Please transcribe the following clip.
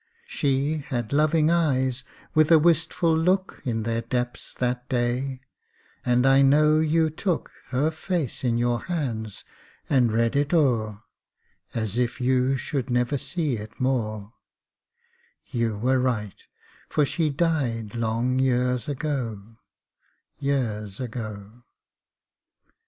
She had loving eyes, with a wistful look In their depths that day, and I know you took Her face in your hands and read it o'er, As if you should never see it more; You were right, for she died long years ago, Years ago.